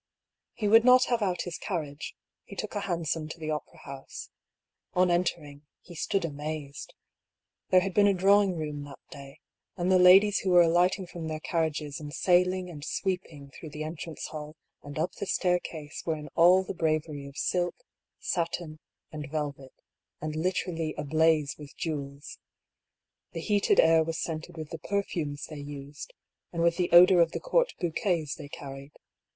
He would not have out his carriage; he took a hansom to the opera house. On entering, he stood amazed! There had been a drawing room that day, and the ladies who were alighting from their carriages and sailing and sweeping through the entrance hall and up the staircase were in all the bravery of silk, satin, and velvet, and literally ablaze with jewels. The heated air was scented with the perfumes they used, and with the odour of the Court bouquets they carried.